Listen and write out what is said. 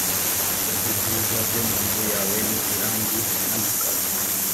ibyiza byo mu nzu yawe ni irangi namakaro